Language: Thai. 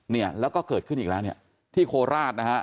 เนี่ยแล้วก็เกิดขึ้นอีกแล้วเนี่ยที่โคราชนะฮะ